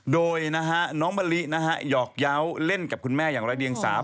โดยน้องมะลิหยอกเยาะเล่นกับคุณแม่อย่างรายเรียงสาว